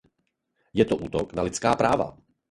Je to útok na lidská práva.